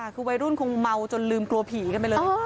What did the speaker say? คือวัยรุ่นคงเมาจนลืมกลัวผีกันไปเลย